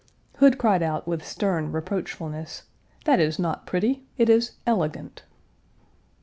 Hood cried out with stern reproachfulness: "That is not pretty; it is elegant."